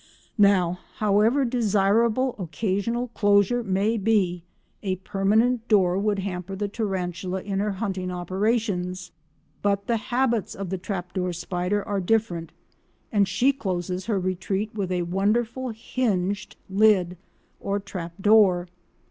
Now, however desirable occasional closure may be, a permanent door would hamper the tarantula in her hunting operations, but the habits of the trap door spider are different, and she closes her retreat with a wonderful hinged lid or "trap door."